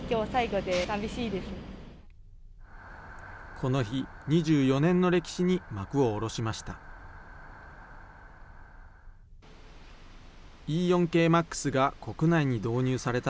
この日、２４年の歴史に幕を下ろしました。